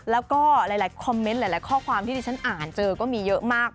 แล้วก็หลายคอมเมนต์หลายข้อความที่ที่ฉันอ่านเจอก็มีเยอะมาก